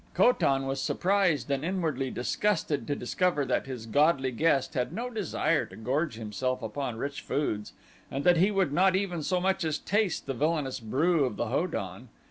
Ko tan was surprised and inwardly disgusted to discover that his godly guest had no desire to gorge himself upon rich foods and that he would not even so much as taste the villainous brew of the Ho don.